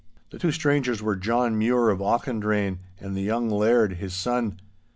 The two strangers were John Mure of Auchendrayne and the young Laird, his son.